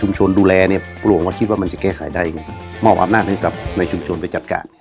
ทำใจผมวาผมตายดีกว่าจังจิ๊กอยู่กันนั้น